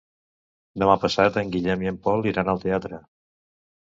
Demà passat en Guillem i en Pol iran al teatre.